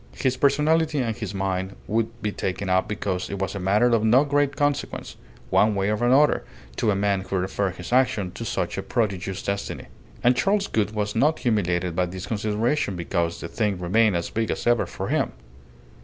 His personality and his mine would be taken up because it was a matter of no great consequence, one way or another, to a man who referred his action to such a prodigious destiny. And Charles Gould was not humiliated by this consideration, because the thing remained as big as ever for him.